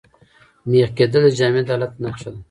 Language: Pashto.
مېخ کېدل د جامد حالت نخښه ده.